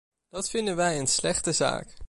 Dat vinden wij een slechte zaak.